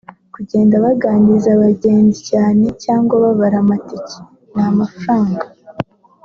kugenda baganiriza abagenzi cyane cyangwa babara amatiki (n’amafaranga)